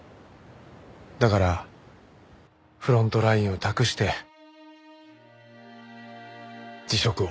だからフロントラインを託して辞職を。